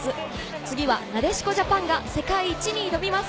次はなでしこジャパンが世界一に挑みます。